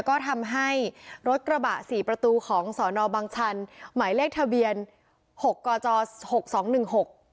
ก็ทำให้รถกระบะสี่ประตูของสอนอบังชันหมายเลขทะเบียนหกกจอหกสองหนึ่งหก